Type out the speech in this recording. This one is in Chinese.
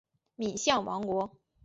敏象王国。